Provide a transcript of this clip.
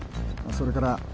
それから